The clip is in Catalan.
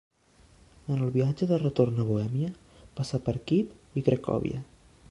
En el viatge de retorn a Bohèmia, passà per Kíev i Cracòvia.